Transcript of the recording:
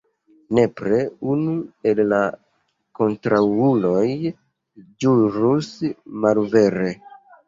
Nepre unu el la kontraŭuloj ĵurus malvere.